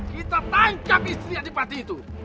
kita tangkap istri adik pati itu